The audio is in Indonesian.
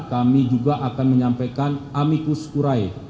kami juga akan menyampaikan amicus kurai